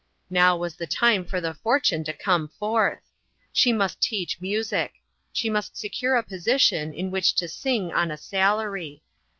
Now was the time for the fortune to come forth. She must teach music; she must se cure a position in which to sing on a salary.